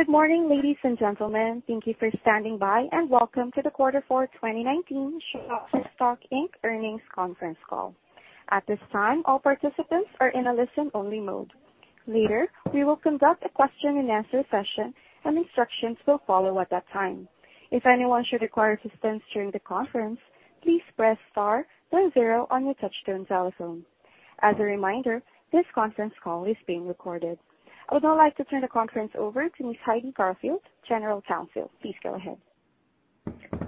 Good morning, ladies and gentlemen. Thank you for standing by. Welcome to the Q4 2019 Shutterstock, Inc Earnings Conference Call. At this time, all participants are in a listen-only mode. Later, we will conduct a question and answer session. Instructions will follow at that time. If anyone should require assistance during the conference, please press star then zero on your touch-tone telephone. As a reminder, this conference call is being recorded. I would now like to turn the conference over to Ms. Heidi Garfield, General Counsel. Please go ahead.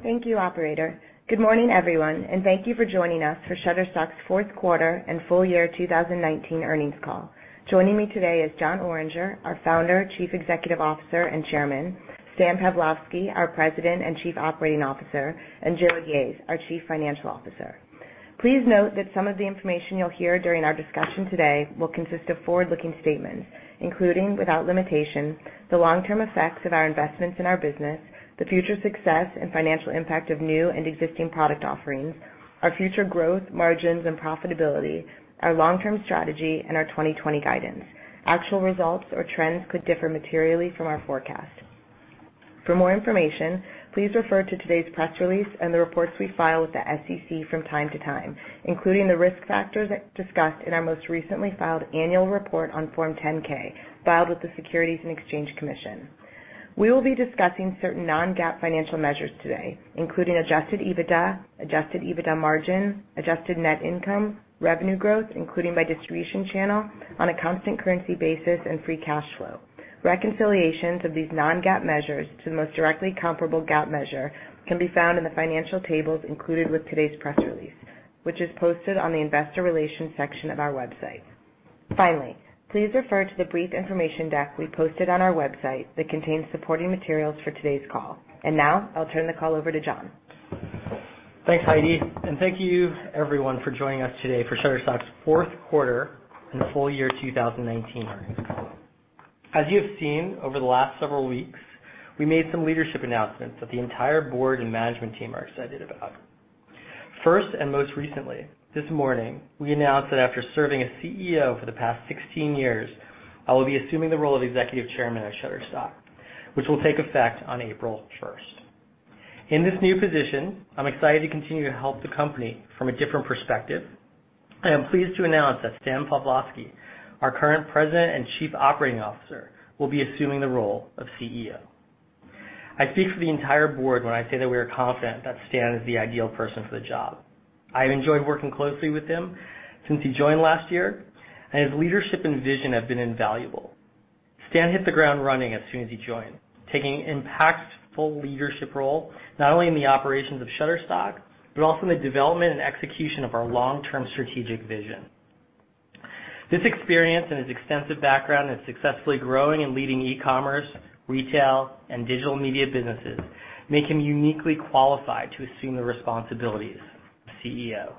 Thank you, operator. Good morning, everyone, and thank you for joining us for Shutterstock's Q4 and Full Year 2019 Earnings Call. Joining me today is Jon Oringer, our Founder, Chief Executive Officer, and Chairman, Stan Pavlovsky, our President and Chief Operating Officer, and Jarrod Yahes, our Chief Financial Officer. Please note that some of the information you'll hear during our discussion today will consist of forward-looking statements, including, without limitation, the long-term effects of our investments in our business, the future success and financial impact of new and existing product offerings, our future growth, margins, and profitability, our long-term strategy, and our 2020 guidance. Actual results or trends could differ materially from our forecast. For more information, please refer to today's press release and the reports we file with the SEC from time to time, including the risk factors discussed in our most recently filed annual report on Form 10-K, filed with the Securities and Exchange Commission. We will be discussing certain non-GAAP financial measures today, including Adjusted EBITDA, Adjusted EBITDA margin, adjusted net income, revenue growth, including by distribution channel on a constant currency basis, and free cash flow. Reconciliations of these non-GAAP measures to the most directly comparable GAAP measure can be found in the financial tables included with today's press release, which is posted on the investor relations section of our website. Finally, please refer to the brief information deck we posted on our website that contains supporting materials for today's call. Now, I'll turn the call over to Jon. Thanks, Heidi. Thank you, everyone, for joining us today for Shutterstock's Q4 and Full Year 2019 Earnings Call. As you have seen over the last several weeks, we made some leadership announcements that the entire Board and management team are excited about. First and most recently, this morning, we announced that after serving as CEO for the past 16 years, I will be assuming the role of Executive Chairman at Shutterstock, which will take effect on April 1st. In this new position, I'm excited to continue to help the company from a different perspective. I am pleased to announce that Stan Pavlovsky, our current President and Chief Operating Officer, will be assuming the role of CEO. I speak for the entire Board when I say that we are confident that Stan is the ideal person for the job. I have enjoyed working closely with him since he joined last year, and his leadership and vision have been invaluable. Stan hit the ground running as soon as he joined, taking an impactful leadership role, not only in the operations of Shutterstock, but also in the development and execution of our long-term strategic vision. This experience and his extensive background in successfully growing and leading e-commerce, retail, and digital media businesses make him uniquely qualified to assume the responsibilities of CEO.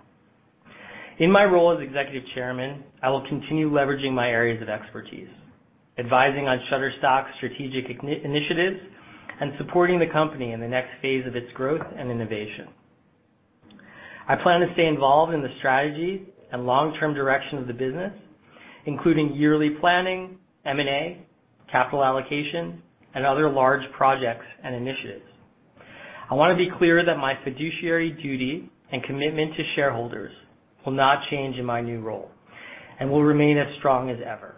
In my role as Executive Chairman, I will continue leveraging my areas of expertise, advising on Shutterstock's strategic initiatives, and supporting the company in the next phase of its growth and innovation. I plan to stay involved in the strategy and long-term direction of the business, including yearly planning, M&A, capital allocation, and other large projects and initiatives. I want to be clear that my fiduciary duty and commitment to shareholders will not change in my new role and will remain as strong as ever.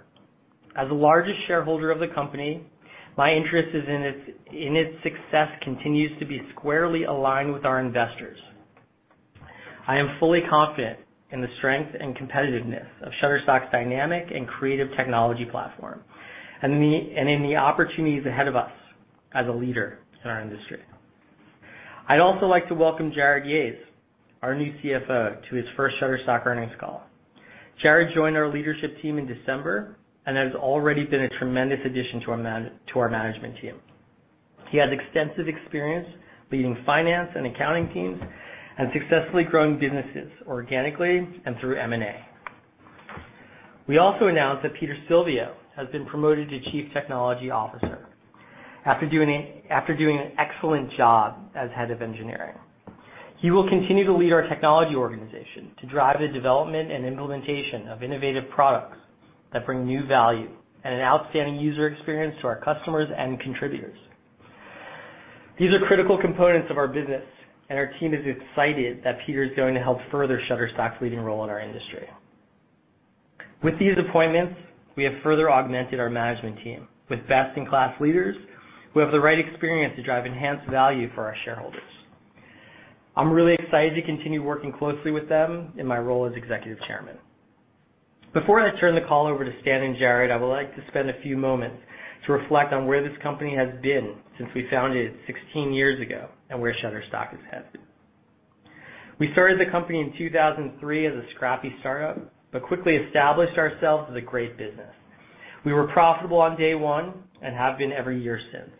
As the largest shareholder of the company, my interest in its success continues to be squarely aligned with our investors. I am fully confident in the strength and competitiveness of Shutterstock's dynamic and creative technology platform and in the opportunities ahead of us as a leader in our industry. I'd also like to welcome Jarrod Yahes, our new CFO, to his first Shutterstock earnings call. Jarrod joined our leadership team in December and has already been a tremendous addition to our management team. He has extensive experience leading finance and accounting teams and successfully growing businesses organically and through M&A. We also announced that Peter Silvio has been promoted to Chief Technology Officer after doing an excellent job as head of engineering. He will continue to lead our technology organization to drive the development and implementation of innovative products that bring new value and an outstanding user experience to our customers and contributors. These are critical components of our business, and our team is excited that Peter is going to help further Shutterstock's leading role in our industry. With these appointments, we have further augmented our management team with best-in-class leaders who have the right experience to drive enhanced value for our shareholders. I'm really excited to continue working closely with them in my role as executive chairman. Before I turn the call over to Stan and Jarrod, I would like to spend a few moments to reflect on where this company has been since we founded it 16 years ago and where Shutterstock is headed. We started the company in 2003 as a scrappy startup but quickly established ourselves as a great business. We were profitable on day one and have been every year since.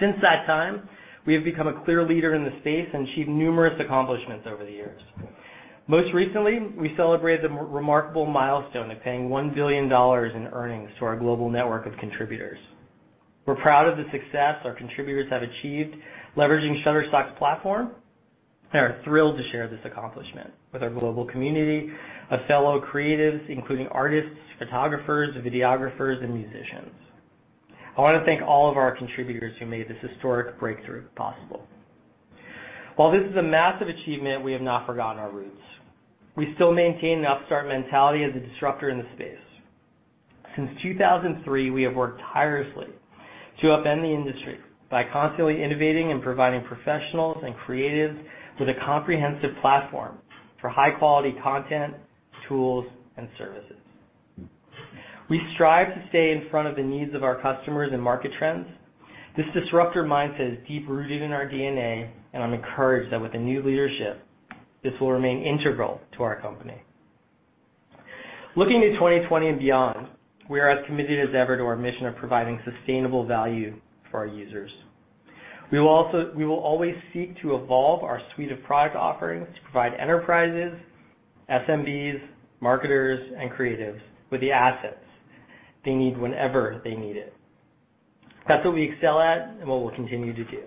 Since that time, we have become a clear leader in the space and achieved numerous accomplishments over the years. Most recently, we celebrated the remarkable milestone of paying $1 billion in earnings to our global network of contributors. We're proud of the success our contributors have achieved leveraging Shutterstock's platform. Are thrilled to share this accomplishment with our global community of fellow creatives, including artists, photographers, videographers, and musicians. I want to thank all of our contributors who made this historic breakthrough possible. While this is a massive achievement, we have not forgotten our roots. We still maintain an upstart mentality as a disruptor in the space. Since 2003, we have worked tirelessly to upend the industry by constantly innovating and providing professionals and creatives with a comprehensive platform for high-quality content, tools, and services. We strive to stay in front of the needs of our customers and market trends. This disruptor mindset is deep-rooted in our DNA, and I'm encouraged that with the new leadership, this will remain integral to our company. Looking to 2020 and beyond, we are as committed as ever to our mission of providing sustainable value for our users. We will always seek to evolve our suite of product offerings to provide enterprises, SMBs, marketers, and creatives with the assets they need whenever they need it. That's what we excel at and what we'll continue to do.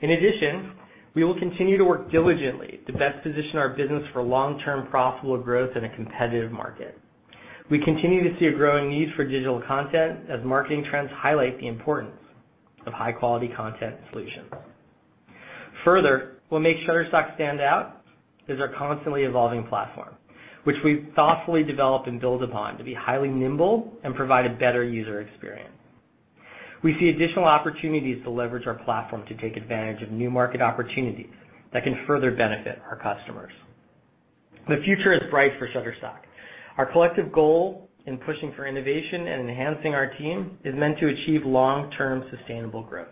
In addition, we will continue to work diligently to best position our business for long-term profitable growth in a competitive market. We continue to see a growing need for digital content as marketing trends highlight the importance of high-quality content solutions. Further, what makes Shutterstock stand out is our constantly evolving platform, which we've thoughtfully developed and build upon to be highly nimble and provide a better user experience. We see additional opportunities to leverage our platform to take advantage of new market opportunities that can further benefit our customers. The future is bright for Shutterstock. Our collective goal in pushing for innovation and enhancing our team is meant to achieve long-term sustainable growth.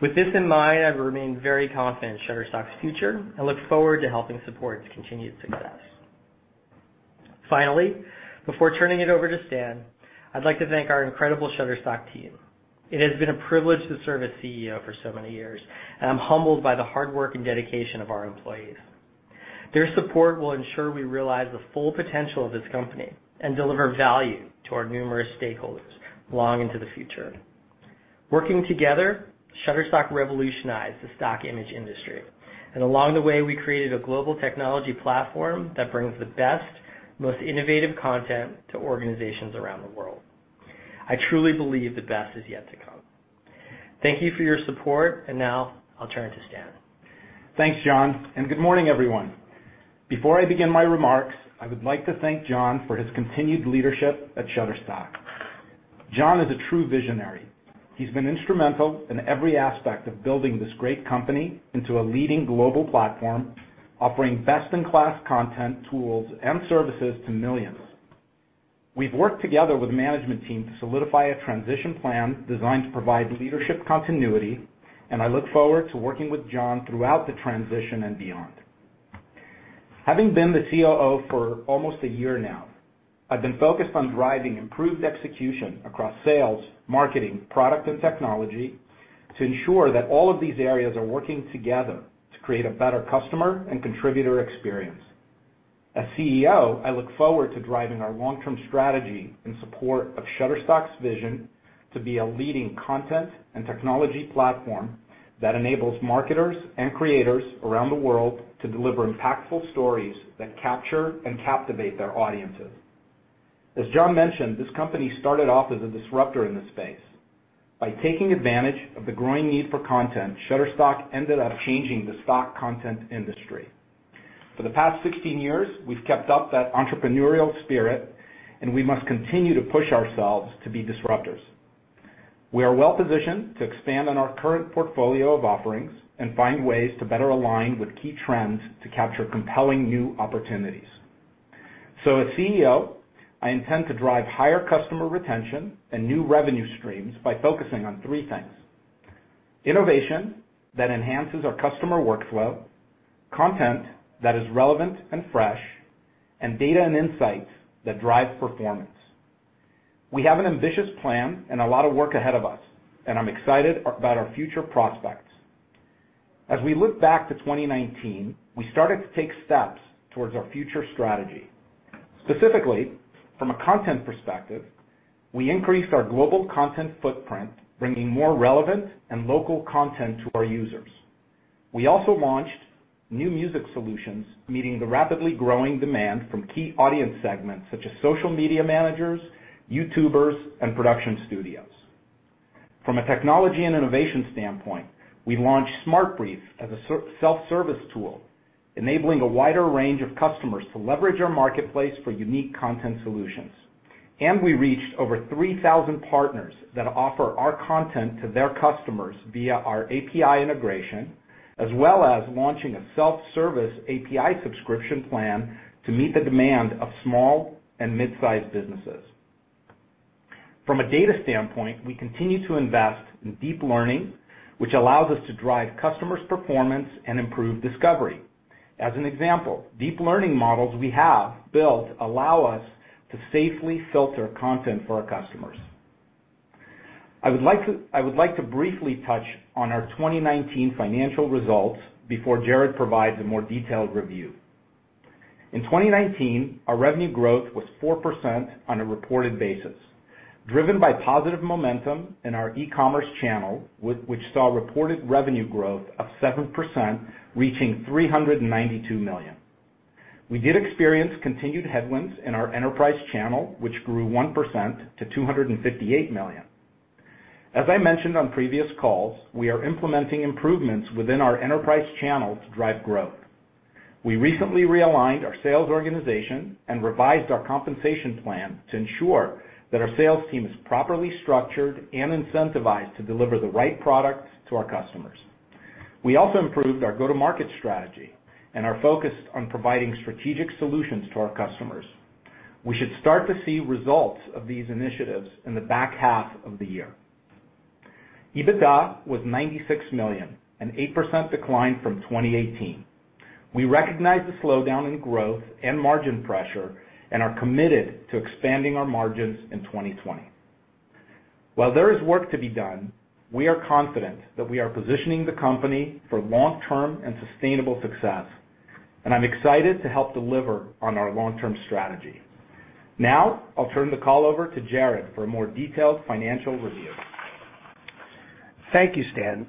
With this in mind, I remain very confident in Shutterstock's future and look forward to helping support its continued success. Finally, before turning it over to Stan, I'd like to thank our incredible Shutterstock team. It has been a privilege to serve as CEO for so many years, and I'm humbled by the hard work and dedication of our employees. Their support will ensure we realize the full potential of this company and deliver value to our numerous stakeholders long into the future. Working together, Shutterstock revolutionized the stock image industry, and along the way, we created a global technology platform that brings the best, most innovative content to organizations around the world. I truly believe the best is yet to come. Thank you for your support, and now I'll turn to Stan. Thanks, Jon, good morning, everyone. Before I begin my remarks, I would like to thank Jon for his continued leadership at Shutterstock. Jon is a true visionary. He's been instrumental in every aspect of building this great company into a leading global platform, offering best-in-class content, tools, and services to millions. We've worked together with the management team to solidify a transition plan designed to provide leadership continuity, and I look forward to working with Jon throughout the transition and beyond. Having been the COO for almost a year now, I've been focused on driving improved execution across sales, marketing, product, and technology to ensure that all of these areas are working together to create a better customer and contributor experience. As CEO, I look forward to driving our long-term strategy in support of Shutterstock's vision to be a leading content and technology platform that enables marketers and creators around the world to deliver impactful stories that capture and captivate their audiences. As Jon mentioned, this company started off as a disruptor in the space. By taking advantage of the growing need for content, Shutterstock ended up changing the stock content industry. For the past 16 years, we've kept up that entrepreneurial spirit, and we must continue to push ourselves to be disruptors. We are well positioned to expand on our current portfolio of offerings and find ways to better align with key trends to capture compelling new opportunities. As CEO, I intend to drive higher customer retention and new revenue streams by focusing on three things: innovation that enhances our customer workflow, content that is relevant and fresh, and data and insights that drive performance. We have an ambitious plan and a lot of work ahead of us, and I'm excited about our future prospects. As we look back to 2019, we started to take steps towards our future strategy. Specifically, from a content perspective, we increased our global content footprint, bringing more relevant and local content to our users. We also launched new music solutions, meeting the rapidly growing demand from key audience segments such as social media managers, YouTubers, and production studios. From a technology and innovation standpoint, we launched Smart Brief as a self-service tool, enabling a wider range of customers to leverage our marketplace for unique content solutions. We reached over 3,000 partners that offer our content to their customers via our API integration, as well as launching a self-service API subscription plan to meet the demand of small and mid-sized businesses. From a data standpoint, we continue to invest in deep learning, which allows us to drive customers' performance and improve discovery. As an example, deep learning models we have built allow us to safely filter content for our customers. I would like to briefly touch on our 2019 financial results before Jarrod provides a more detailed review. In 2019, our revenue growth was 4% on a reported basis, driven by positive momentum in our e-commerce channel, which saw reported revenue growth of 7%, reaching $392 million. We did experience continued headwinds in our enterprise channel, which grew 1% to $258 million. As I mentioned on previous calls, we are implementing improvements within our enterprise channel to drive growth. We recently realigned our sales organization and revised our compensation plan to ensure that our sales team is properly structured and incentivized to deliver the right products to our customers. We also improved our go-to-market strategy and are focused on providing strategic solutions to our customers. We should start to see results of these initiatives in the H2 of the year. EBITDA was $96 million, an 8% decline from 2018. We recognize the slowdown in growth and margin pressure and are committed to expanding our margins in 2020. While there is work to be done, we are confident that we are positioning the company for long-term and sustainable success, and I'm excited to help deliver on our long-term strategy. Now, I'll turn the call over to Jarrod for a more detailed financial review. Thank you, Stan,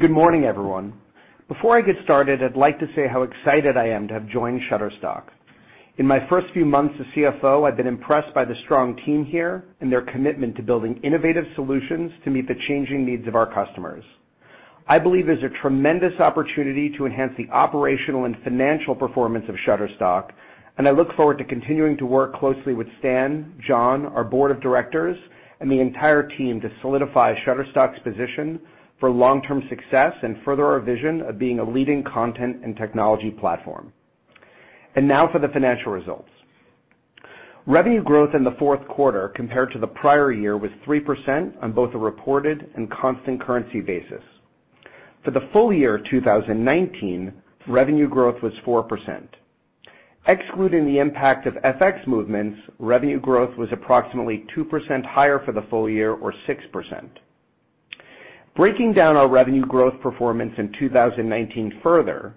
good morning, everyone. Before I get started, I'd like to say how excited I am to have joined Shutterstock. In my first few months as CFO, I've been impressed by the strong team here and their commitment to building innovative solutions to meet the changing needs of our customers. I believe there's a tremendous opportunity to enhance the operational and financial performance of Shutterstock, and I look forward to continuing to work closely with Stan, Jon, our Board of Directors, and the entire team to solidify Shutterstock's position for long-term success and further our vision of being a leading content and technology platform. Now for the financial results. Revenue growth in Q4 compared to the prior year was 3% on both a reported and constant currency basis. For the full year 2019, revenue growth was 4%. Excluding the impact of FX movements, revenue growth was approximately 2% higher for the full year or 6%. Breaking down our revenue growth performance in 2019 further,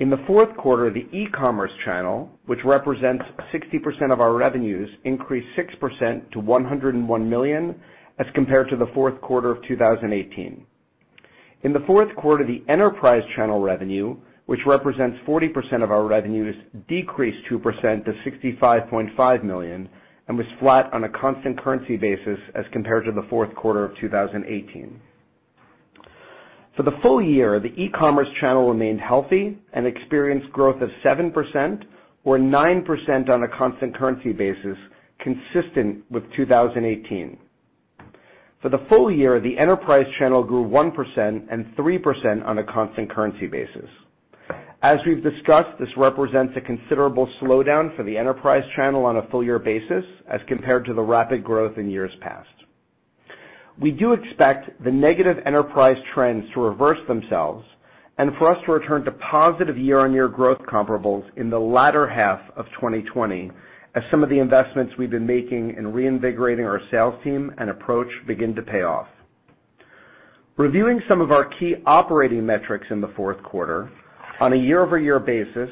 in Q4, the e-commerce channel, which represents 60% of our revenues, increased 6% to $101 million as compared to the Q4 of 2018. In Q4, the enterprise channel revenue, which represents 40% of our revenues, decreased 2% to $65.5 million and was flat on a constant currency basis as compared to the Q4 of 2018. For the full year, the e-commerce channel remained healthy and experienced growth of 7%, or 9% on a constant currency basis, consistent with 2018. For the full year, the enterprise channel grew 1% and 3% on a constant currency basis. As we've discussed, this represents a considerable slowdown for the enterprise channel on a full-year basis as compared to the rapid growth in years past. We do expect the negative enterprise trends to reverse themselves and for us to return to positive year-on-year growth comparables in the H2 of 2020 as some of the investments we've been making in reinvigorating our sales team and approach begin to pay off. Reviewing some of our key operating metrics in Q4, on a year-over-year basis,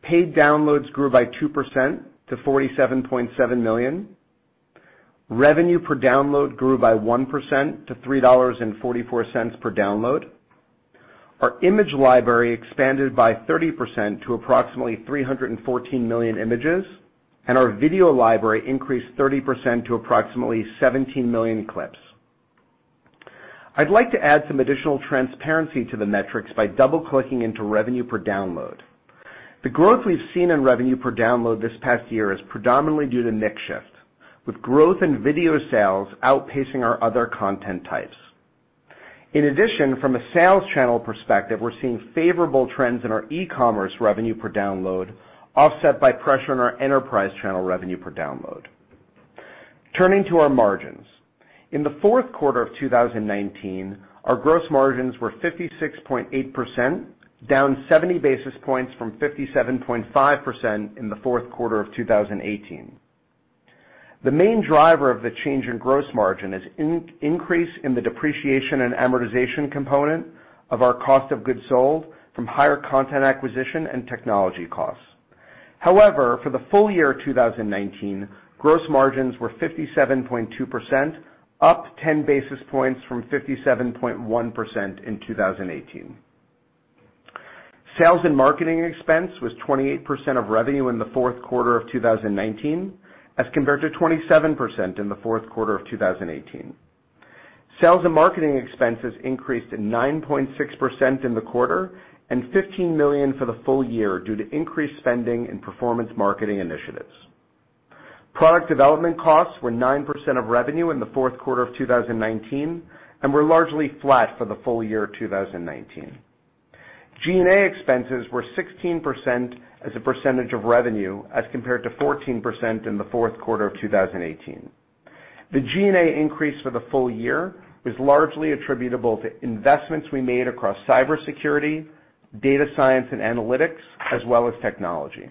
paid downloads grew by 2% to 47.7 million. Revenue per download grew by 1% to $3.44 per download. Our image library expanded by 30% to approximately 314 million images, and our video library increased 30% to approximately 17 million clips. I'd like to add some additional transparency to the metrics by double-clicking into revenue per download. The growth we've seen in revenue per download this past year is predominantly due to mix shift, with growth in video sales outpacing our other content types. In addition, from a sales channel perspective, we're seeing favorable trends in our e-commerce revenue per download offset by pressure on our enterprise channel revenue per download. Turning to our margins. In the Q4 of 2019, our gross margins were 56.8%, down 70 basis points from 57.5% in the Q4 of 2018. The main driver of the change in gross margin is increase in the depreciation and amortization component of our cost of goods sold from higher content acquisition and technology costs. However, for the full year 2019, gross margins were 57.2%, up 10 basis points from 57.1% in 2018. Sales and marketing expense was 28% of revenue in the Q4 of 2019 as compared to 27% in the Q4 of 2018. Sales and marketing expenses increased to 9.6% in the quarter and $15 million for the full year due to increased spending in performance marketing initiatives. Product development costs were 9% of revenue in the Q4 of 2019 and were largely flat for the full year 2019. G&A expenses were 16% as a percentage of revenue as compared to 14% in the Q4 of 2018. The G&A increase for the full year was largely attributable to investments we made across cybersecurity, data science and analytics, as well as technology.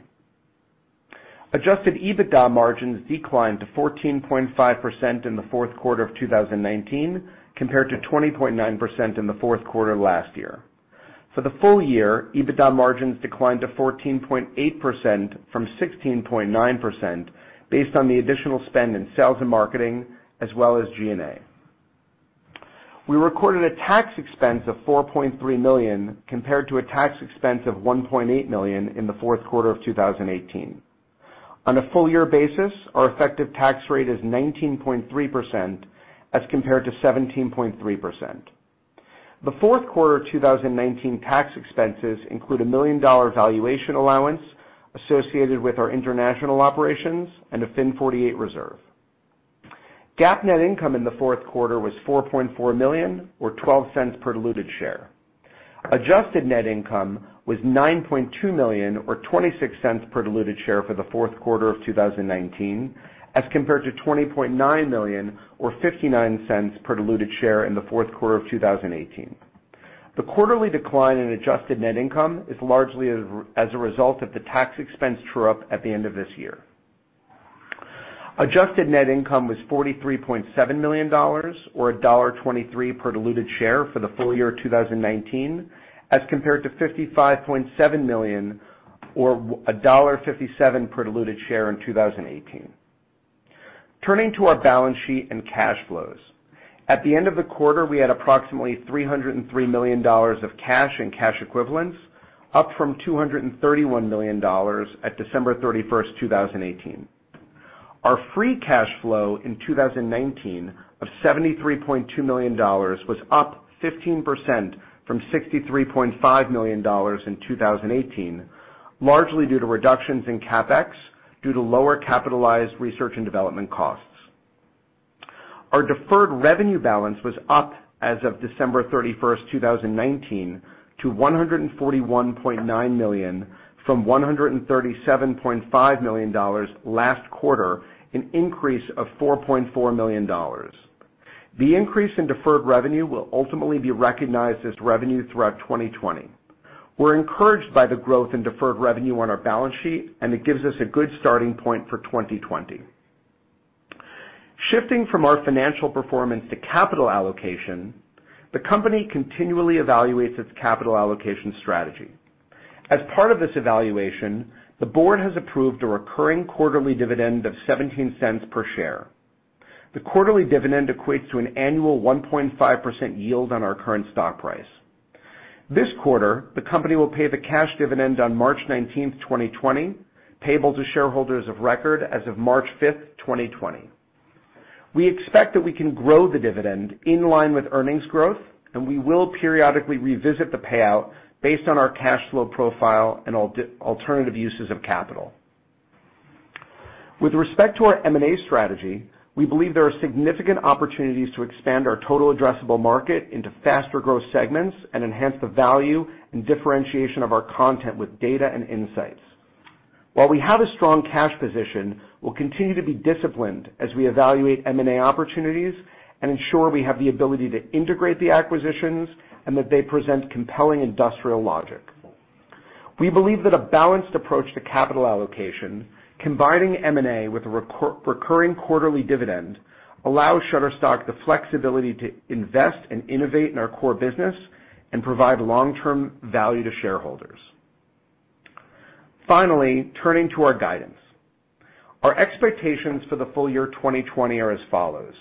Adjusted EBITDA margins declined to 14.5% in the Q4 of 2019, compared to 20.9% in the Q4 last year. For the full year, EBITDA margins declined to 14.8% from 16.9%, based on the additional spend in sales and marketing as well as G&A. We recorded a tax expense of $4.3 million, compared to a tax expense of $1.8 million in the Q4 of 2018. On a full year basis, our effective tax rate is 19.3% as compared to 17.3%. Q4 2019 tax expenses include a $1 million valuation allowance associated with our international operations and a FIN 48 reserve. GAAP net income in Q4 was $4.4 million, or $0.12 per diluted share. Adjusted net income was $9.2 million or $0.26 per diluted share for the Q4 of 2019, as compared to $20.9 million or $0.59 per diluted share in the Q4 of 2018. The quarterly decline in adjusted net income is largely as a result of the tax expense true-up at the end of this year. Adjusted net income was $43.7 million, or $1.23 per diluted share for the full year 2019, as compared to $55.7 million or $1.57 per diluted share in 2018. Turning to our balance sheet and cash flows. At the end of the quarter, we had approximately $303 million of cash and cash equivalents, up from $231 million at December 31st, 2018. Our free cash flow in 2019 of $73.2 million was up 15% from $63.5 million in 2018, largely due to reductions in CapEx, due to lower capitalized research and development costs. Our deferred revenue balance was up as of December 31st, 2019 to $141.9 million from $137.5 million last quarter, an increase of $4.4 million. The increase in deferred revenue will ultimately be recognized as revenue throughout 2020. We're encouraged by the growth in deferred revenue on our balance sheet, and it gives us a good starting point for 2020. Shifting from our financial performance to capital allocation, the company continually evaluates its capital allocation strategy. As part of this evaluation, the Board has approved a recurring quarterly dividend of $0.17 per share. The quarterly dividend equates to an annual 1.5% yield on our current stock price. This quarter, the company will pay the cash dividend on March 19th, 2020, payable to shareholders of record as of March 5th, 2020. We expect that we can grow the dividend in line with earnings growth, and we will periodically revisit the payout based on our cash flow profile and alternative uses of capital. With respect to our M&A strategy, we believe there are significant opportunities to expand our total addressable market into faster growth segments and enhance the value and differentiation of our content with data and insights. While we have a strong cash position, we'll continue to be disciplined as we evaluate M&A opportunities and ensure we have the ability to integrate the acquisitions and that they present compelling industrial logic. We believe that a balanced approach to capital allocation, combining M&A with a recurring quarterly dividend, allows Shutterstock the flexibility to invest and innovate in our core business and provide long-term value to shareholders. Finally, turning to our guidance. Our expectations for the full year 2020 are as follows.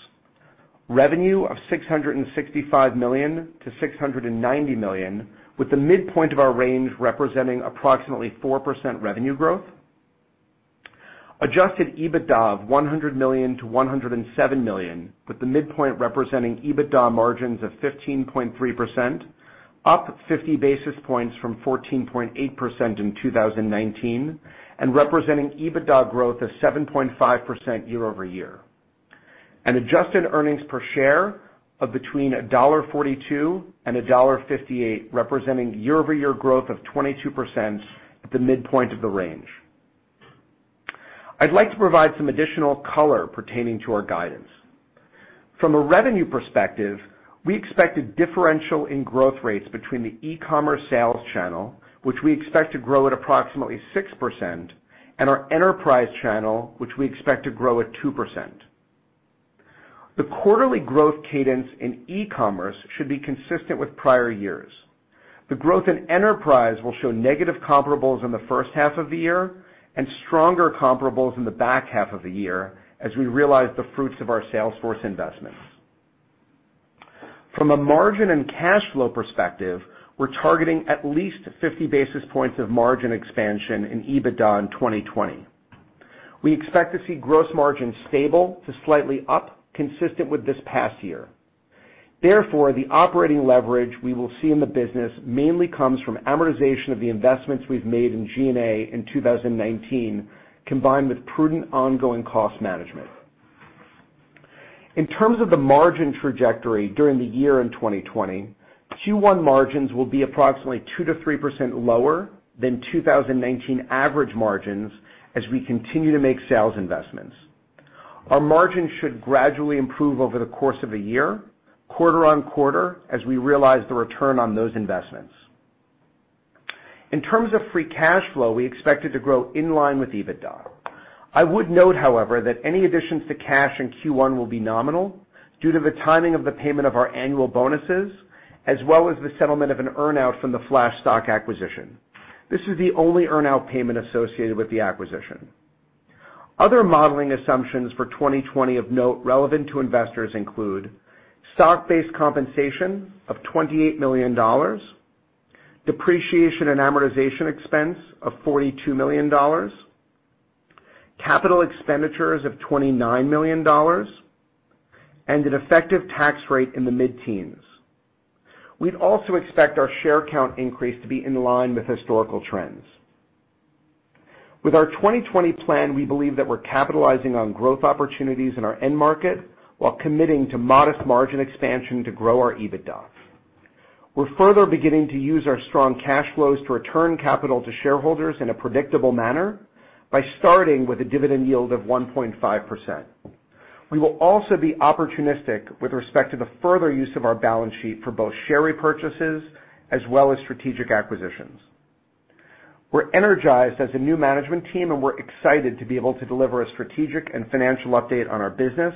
Revenue of $665 million-$690 million, with the midpoint of our range representing approximately 4% revenue growth. Adjusted EBITDA of $100 million-$107 million, with the midpoint representing EBITDA margins of 15.3%, up 50 basis points from 14.8% in 2019 and representing EBITDA growth of 7.5% year-over-year. An adjusted earnings per share of between $1.42 and $1.58, representing year-over-year growth of 22% at the midpoint of the range. I'd like to provide some additional color pertaining to our guidance. From a revenue perspective, we expect a differential in growth rates between the e-commerce sales channel, which we expect to grow at approximately 6%, and our enterprise channel, which we expect to grow at 2%. The quarterly growth cadence in e-commerce should be consistent with prior years. The growth in enterprise will show negative comparables in the H1 of the year and stronger comparables in the H2 of the year as we realize the fruits of our sales force investments. From a margin and cash flow perspective, we're targeting at least 50 basis points of margin expansion in EBITDA in 2020. We expect to see gross margin stable to slightly up, consistent with this past year. The operating leverage we will see in the business mainly comes from amortization of the investments we've made in G&A in 2019, combined with prudent ongoing cost management. In terms of the margin trajectory during the year in 2020, Q1 margins will be approximately 2%-3% lower than 2019 average margins as we continue to make sales investments. Our margins should gradually improve over the course of a year, quarter on quarter, as we realize the return on those investments. In terms of free cash flow, we expect it to grow in line with EBITDA. I would note, however, that any additions to cash in Q1 will be nominal due to the timing of the payment of our annual bonuses, as well as the settlement of an earn-out from the Flashstock acquisition. This is the only earn-out payment associated with the acquisition. Other modeling assumptions for 2020 of note relevant to investors include stock-based compensation of $28 million, depreciation and amortization expense of $42 million, capital expenditures of $29 million, and an effective tax rate in the mid-teens. We'd also expect our share count increase to be in line with historical trends. With our 2020 plan, we believe that we're capitalizing on growth opportunities in our end market while committing to modest margin expansion to grow our EBITDA. We're further beginning to use our strong cash flows to return capital to shareholders in a predictable manner by starting with a dividend yield of 1.5%. We will also be opportunistic with respect to the further use of our balance sheet for both share repurchases as well as strategic acquisitions. We're energized as a new management team, and we're excited to be able to deliver a strategic and financial update on our business,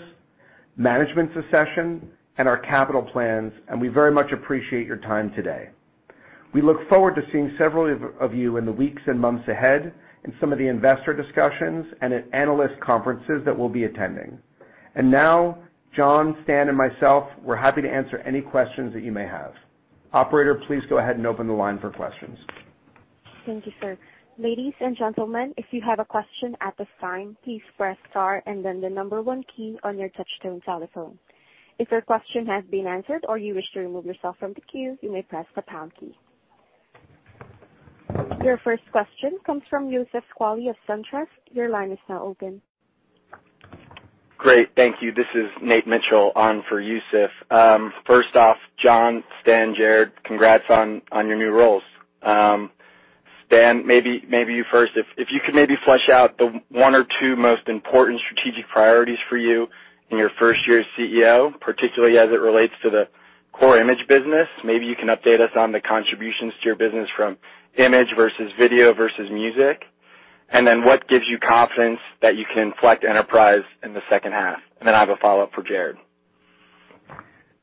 management succession, and our capital plans, and we very much appreciate your time today. We look forward to seeing several of you in the weeks and months ahead in some of the investor discussions and at analyst conferences that we'll be attending. Now, Jon, Stan, and myself, we're happy to answer any questions that you may have. Operator, please go ahead and open the line for questions. Thank you, sir. Ladies and gentlemen, if you have a question at this time, please press star and then the number one key on your touchtone telephone. If your question has been answered or you wish to remove yourself from the queue, you may press the pound key. Your first question comes from Youssef Squali of SunTrust. Your line is now open. Great, thank you. This is Nate Mitchell on for Youssef. First off, Jon, Stan, Jarrod, congrats on your new roles. Stan, maybe you first. If you could maybe flesh out the one or two most important strategic priorities for you in your first year as CEO, particularly as it relates to the core image business. Maybe you can update us on the contributions to your business from image versus video versus music. What gives you confidence that you can collect enterprise in the H2? I have a follow-up for Jarrod.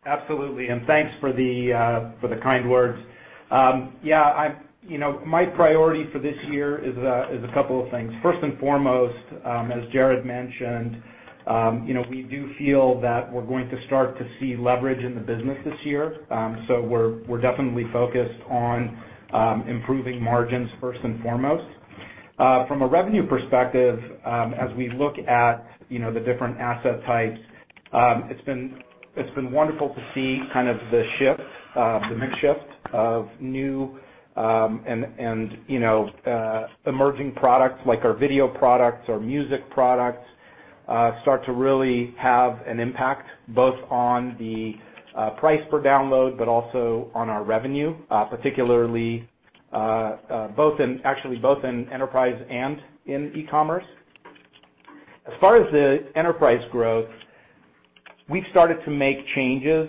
Absolutely, thanks for the kind words. My priority for this year is a couple of things. First and foremost, as Jarrod mentioned, we do feel that we're going to start to see leverage in the business this year. We're definitely focused on improving margins first and foremost. From a revenue perspective, as we look at the different asset types, it's been wonderful to see the mix shift of new and emerging products like our video products, our music products, start to really have an impact, both on the price per download, but also on our revenue, particularly actually both in enterprise and in e-commerce. As far as the enterprise growth, we've started to make changes,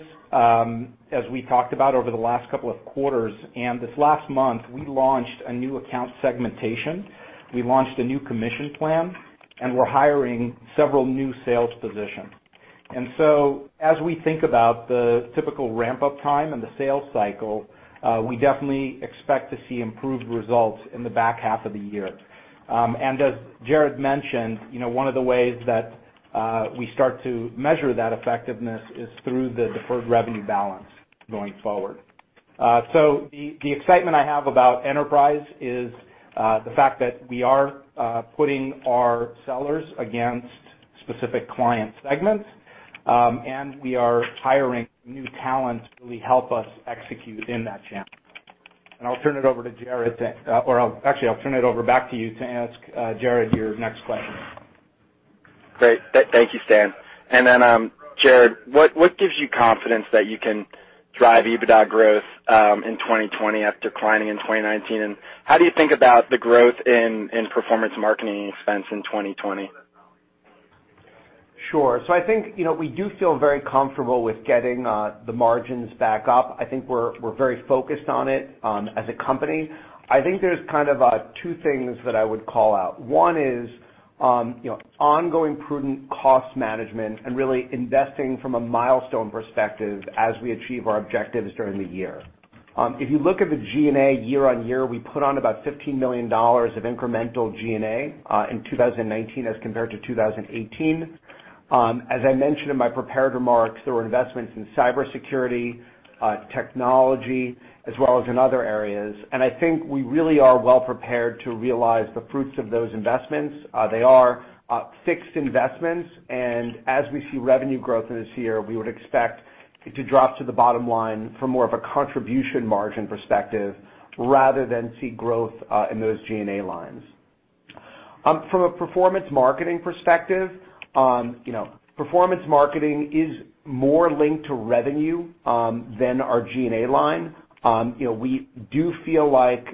as we talked about over the last couple of quarters. This last month, we launched a new account segmentation, we launched a new commission plan, and we're hiring several new sales positions. As we think about the typical ramp-up time and the sales cycle, we definitely expect to see improved results in the H2 of the year. As Jarrod mentioned, one of the ways that we start to measure that effectiveness is through the deferred revenue balance going forward. The excitement I have about enterprise is the fact that we are putting our sellers against specific client segments, and we are hiring new talent to really help us execute in that channel. I'll turn it over back to you to ask Jarrod your next question. Great. Thank you, Stan. Jarrod, what gives you confidence that you can drive EBITDA growth in 2020 after declining in 2019? How do you think about the growth in performance marketing expense in 2020? Sure. I think we do feel very comfortable with getting the margins back up. I think we're very focused on it as a company. I think there's two things that I would call out. One is ongoing prudent cost management and really investing from a milestone perspective as we achieve our objectives during the year. If you look at the G&A year-on-year, we put on about $15 million of incremental G&A in 2019 as compared to 2018. As I mentioned in my prepared remarks, there were investments in cybersecurity, technology, as well as in other areas. I think we really are well prepared to realize the fruits of those investments. They are fixed investments, and as we see revenue growth in this year, we would expect it to drop to the bottom line from more of a contribution margin perspective rather than see growth in those G&A lines. performance marketing is more linked to revenue than our G&A line. We do feel like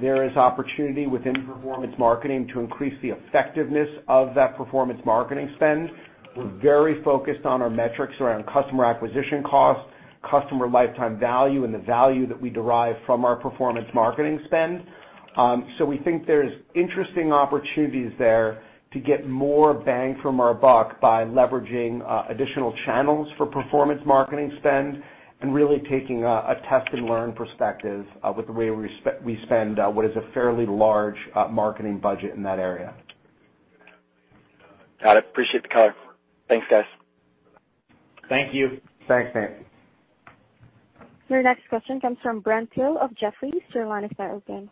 there is opportunity within performance marketing to increase the effectiveness of that performance marketing spend. We're very focused on our metrics around customer acquisition costs, customer lifetime value, and the value that we derive from our performance marketing spend. We think there's interesting opportunities there to get more bang from our buck by leveraging additional channels for performance marketing spend, and really taking a test and learn perspective with the way we spend what is a fairly large marketing budget in that area. Got it. Appreciate the color. Thanks, guys. Thank you. Thanks, Nate. Your next question comes from Brent Thill of Jefferies. Your line is now open.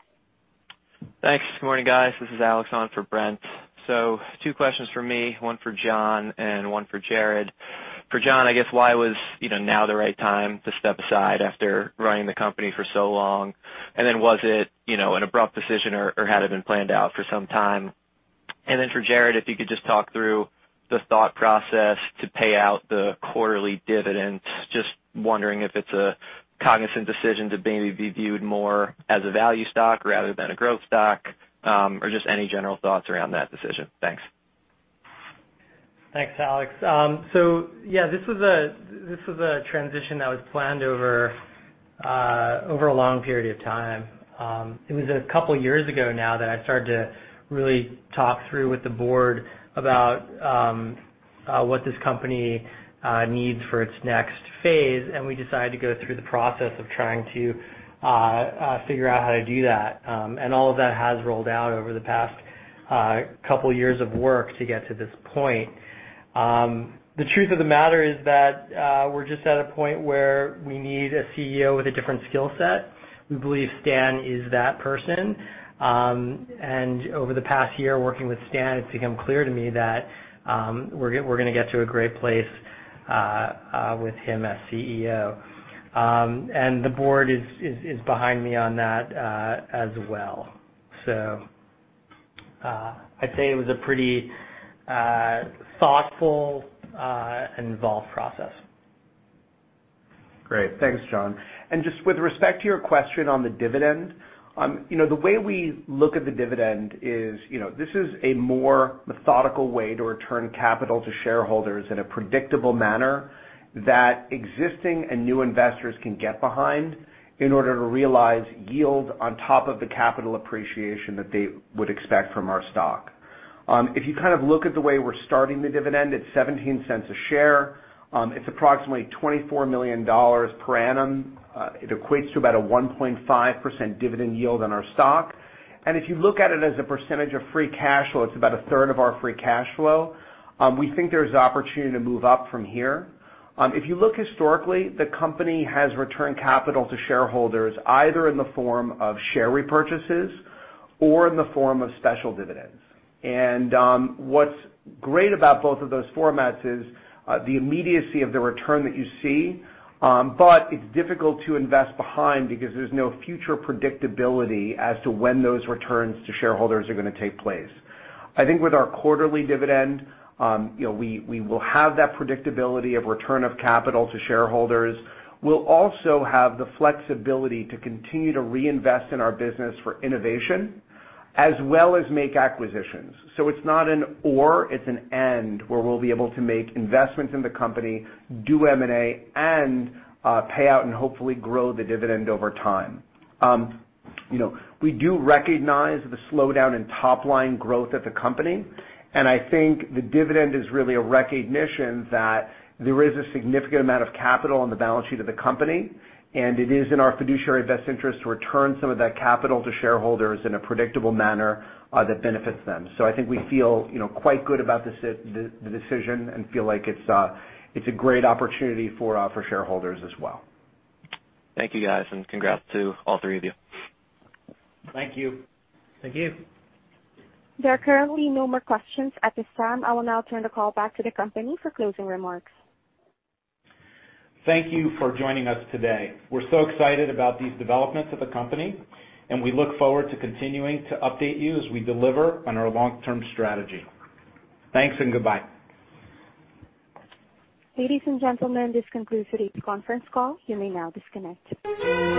Thanks. Good morning, guys. This is Alex on for Brent. Two questions for me, one for Jon and one for Jarrod. For Jon, I guess why was now the right time to step aside after running the company for so long? Was it an abrupt decision or had it been planned out for some time? For Jarrod, if you could just talk through the thought process to pay out the quarterly dividends. Just wondering if it's a cognizant decision to maybe be viewed more as a value stock rather than a growth stock, or just any general thoughts around that decision. Thanks. Thanks, Alex. Yeah, this was a transition that was planned over a long period of time. It was a couple years ago now that I started to really talk through with the board about what this company needs for its next phase, and we decided to go through the process of trying to figure out how to do that. All of that has rolled out over the past couple years of work to get to this point. The truth of the matter is that we're just at a point where we need a CEO with a different skill set. We believe Stan is that person. Over the past year working with Stan, it's become clear to me that we're going to get to a great place with him as CEO. The board is behind me on that as well. I'd say it was a pretty thoughtful and involved process. Great. Thanks, Jon. Just with respect to your question on the dividend, the way we look at the dividend is, this is a more methodical way to return capital to shareholders in a predictable manner that existing and new investors can get behind in order to realize yield on top of the capital appreciation that they would expect from our stock. If you look at the way we're starting the dividend at $0.17 a share, it's approximately $24 million per annum. It equates to about a 1.5% dividend yield on our stock. If you look at it as a percentage of free cash flow, it's about a third of our free cash flow. We think there's opportunity to move up from here. If you look historically, the company has returned capital to shareholders either in the form of share repurchases or in the form of special dividends. What's great about both of those formats is the immediacy of the return that you see, but it's difficult to invest behind because there's no future predictability as to when those returns to shareholders are going to take place. I think with our quarterly dividend, we will have that predictability of return of capital to shareholders. We'll also have the flexibility to continue to reinvest in our business for innovation as well as make acquisitions. It's not an or, it's an and where we'll be able to make investments in the company, do M&A, and pay out and hopefully grow the dividend over time. We do recognize the slowdown in top-line growth at the company. I think the dividend is really a recognition that there is a significant amount of capital on the balance sheet of the company. It is in our fiduciary best interest to return some of that capital to shareholders in a predictable manner that benefits them. I think we feel quite good about the decision and feel like it's a great opportunity for shareholders as well. Thank you, guys, and congrats to all three of you. Thank you. Thank you. There are currently no more questions at this time. I will now turn the call back to the company for closing remarks. Thank you for joining us today. We're so excited about these developments at the company, and we look forward to continuing to update you as we deliver on our long-term strategy. Thanks and goodbye. Ladies and gentlemen, this concludes today's conference call. You may now disconnect.